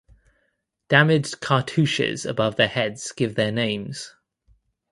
Damaged cartouches above their heads give their names.